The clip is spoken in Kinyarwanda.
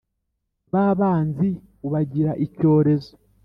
ba banzi ubagira icyorezo.